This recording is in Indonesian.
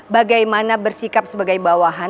bagaimana bersikap sebagai bawahan